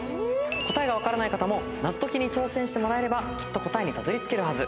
答えが分からない方も謎解きに挑戦してもらえればきっと答えにたどり着けるはず。